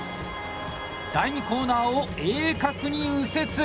第２コーナーを鋭角に右折。